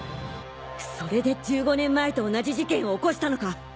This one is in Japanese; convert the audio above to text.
それで１５年前と同じ事件を起こしたのか？